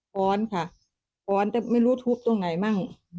ขอนค่ะแต่ไม่รู้ทุบตรงไหนมั้ง